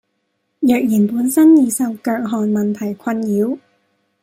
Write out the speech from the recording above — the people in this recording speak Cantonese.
若然本身已受腳汗問題困擾